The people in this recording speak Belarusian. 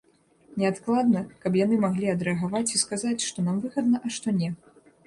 Неадкладна, каб яны маглі адрэагаваць і сказаць, што нам выгадна, а што не.